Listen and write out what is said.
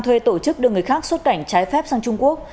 thuê tổ chức đưa người khác xuất cảnh trái phép sang trung quốc